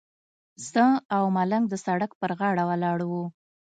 زه او ملنګ د سړک پر غاړه ولاړ وو.